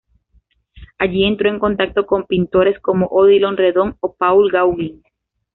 Allí entró en contacto con pintores como Odilon Redon o Paul Gauguin.